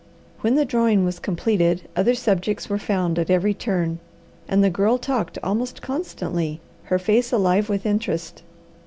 When the drawing was completed, other subjects were found at every turn, and the Girl talked almost constantly, her face alive with interest.